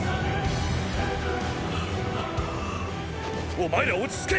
お前ら落ち着け！！